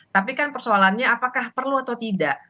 tapi kan persoalannya apakah perlu atau tidak